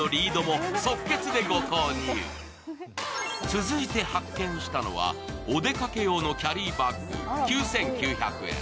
続いて発見したのは、お出かけ用のキャリーバッグ、９９００円。